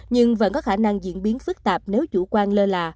nhưng vẫn có khả năng diễn biến phức tạp nếu chủ quan lơ là